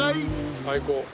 最高。